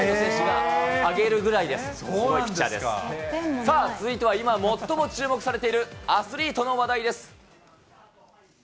さあ、続いては今、最も注目されているアスリートの話題です。